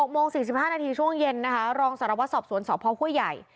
๖โมง๔๕นาทีช่วงเย็นนะคะรองสารวัตรสอบสวนสพห้วยใหญ่